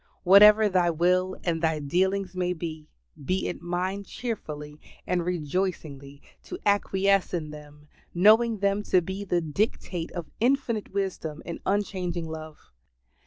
Whatever Thy will and Thy dealings may be, be it mine cheerfully and rejoicingly to acquiesce in them, knowing them to be the dictate of infinite wisdom and unchanging love.